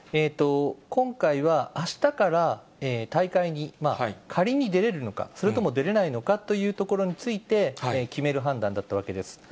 今回は、あしたから大会に仮に出れるのか、それとも出れないのかというところについて、決める判断だったわけです。